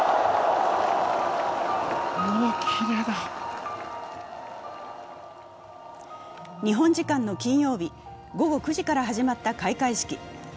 日本時間の金曜日、午後９時から始まった開会式。